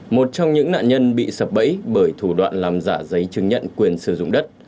một trong những nạn nhân bị sập bẫy bởi thủ đoạn làm giả giấy chứng nhận quyền sử dụng đất